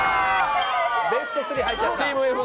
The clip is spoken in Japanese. ベスト３入っちゃったチームＦ